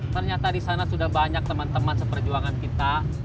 ternyata di sana sudah banyak teman teman seperjuangan kita